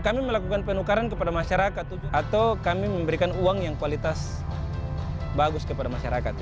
kami melakukan penukaran kepada masyarakat atau kami memberikan uang yang kualitas bagus kepada masyarakat